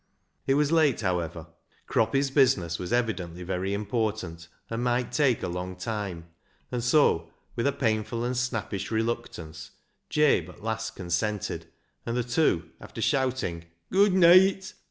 It was late, however; Croppy's business was evidently very important, and might take a long time, and so, with a painful and snappish reluctance, Jabe at last consented, and the two, after shouting " Gooid neet